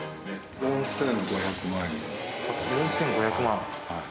４，５００万。